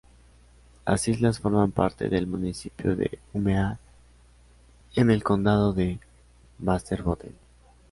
Las islas forman parte del municipio de Umeå en el Condado de Västerbotten.